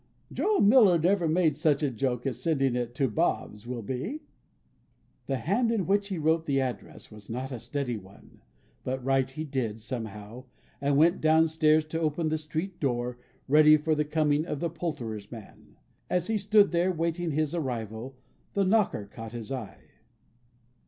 Joe Miller never made such a joke as sending it to Bob's will be!" The hand in which he wrote the address was not a steady one, but write he did, somehow, and went down stairs to open the street door, ready for the coming of the Poulterer's man. As he stood there, waiting his arrival, the knocker caught his eye.